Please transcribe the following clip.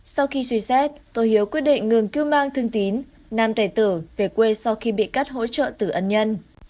sau khi suy xét tô hiếu quyết định ngừng cứu mang thường tín nam tài tử về quê sau khi bị cắt hỗ trợ tử ân nhân